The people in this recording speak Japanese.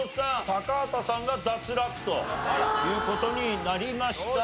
高畑さんが脱落という事になりました。